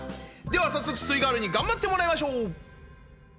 では早速すイガールに頑張ってもらいましょう！